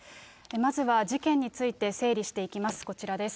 まずは事件について、整理していきます。